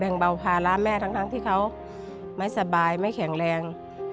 แบ่งเบาภาระแม่ทั้งที่เขาไม่สบายไม่แข็งแรง